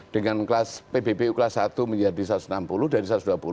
dengan kelas pbpu kelas satu menjadi satu ratus enam puluh dari satu ratus dua puluh